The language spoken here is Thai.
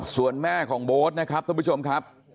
ส่วนแม่ของโบ๊ทนะครับท่านผู้ชมครับ